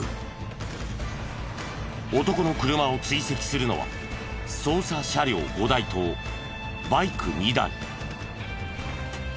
男の車を追跡するのは捜査車両５台とバイク２台。